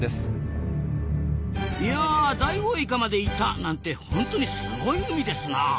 いやダイオウイカまでいたなんてホントにすごい海ですなあ。